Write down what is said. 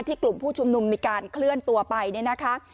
กลุ่มผู้ชุมนุมมีการเคลื่อนตัวไปเนี่ยนะคะ